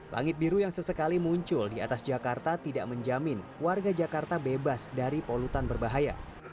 langit biru yang sesekali muncul di atas jakarta tidak menjamin warga jakarta bebas dari polutan berbahaya